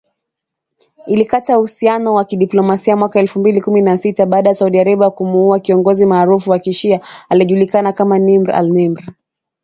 Ilikata uhusiano wa kidiplomasia mwaka wa elfu mbili kumi na sita, baada ya Saudi Arabia kumuua kiongozi maarufu wa kishia, aliyejulikana kama Nimr al-Nimr.